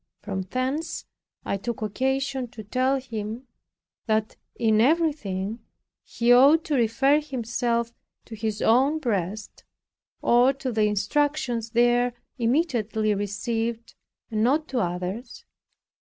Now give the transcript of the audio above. From thence I took occasion to tell him "that in everything he ought to refer himself to his own breast, or to the instructions there immediately received, and not to others."